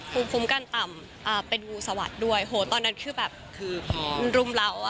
ภูมิกันต่ำเป็นวูสวรรค์ด้วยโอ้โหตอนนั้นคือแบบรุมเหล้าอะ